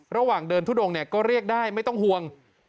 ระหว่างเดินทุดงก็เรียกได้ไม่ต้องห่วง